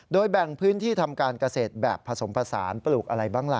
แบ่งพื้นที่ทำการเกษตรแบบผสมผสานปลูกอะไรบ้างล่ะ